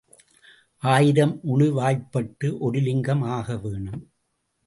ஆயிரம் உளி வாய்ப்பட்டு ஒரு லிங்கம் ஆக வேணும்.